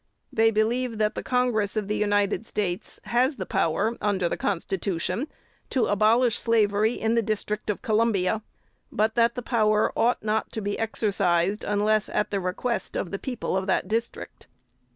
They believe that the Congress of the United States has the power, under the Constitution, to abolish slavery in the District of Columbia, but that the power ought not to be exercised, unless at the request of the people of the District.